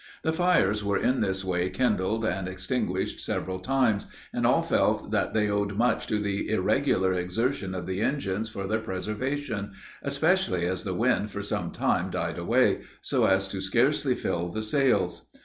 The fires were in this way kindled and extinguished several times, and all felt that they owed much to the irregular exertion of the engines for their preservation, especially as the wind for some time died away, so as to scarcely fill the sails.